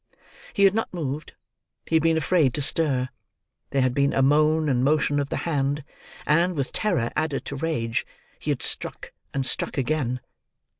He had not moved; he had been afraid to stir. There had been a moan and motion of the hand; and, with terror added to rage, he had struck and struck again.